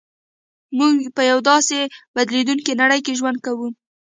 موږ په یوه داسې بدلېدونکې نړۍ کې ژوند کوو